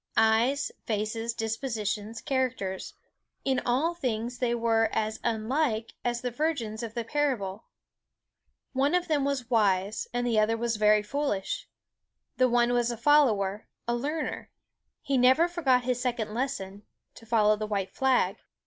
Eyes, faces, dispositions, characters, in all things they were as unlike as the virgins of the parable. One of them was wise, and the other was very foolish. The one was a follower, a learner; he never forgot his second lesson, to follow the white flag.